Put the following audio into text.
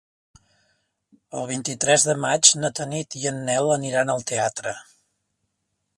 El vint-i-tres de maig na Tanit i en Nel aniran al teatre.